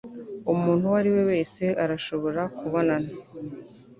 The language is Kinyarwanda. umuntu uwo ari we wese arashobora kubonana